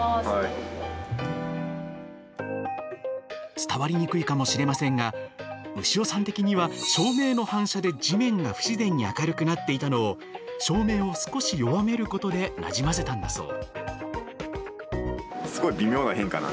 伝わりにくいかもしれませんが牛尾さん的には照明の反射で地面が不自然に明るくなっていたのを照明を少し弱めることでなじませたんだそう。